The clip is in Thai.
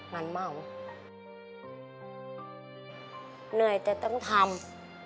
เหนื่อยแต่ต้องทำ